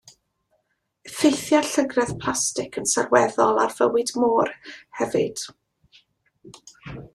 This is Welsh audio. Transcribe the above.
Effeithia llygredd plastig yn sylweddol ar fywyd môr hefyd.